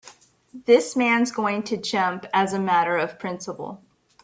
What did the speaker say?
This man's going to jump as a matter of principle.